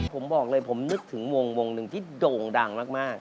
ผมบอกเลยผมนึกถึงวงหนึ่งที่โด่งดังมาก